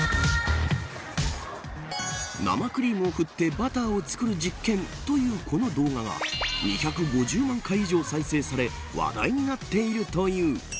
生クリームを振ってバターを作る実験というこの動画が２５０万回以上再生され話題になっているという。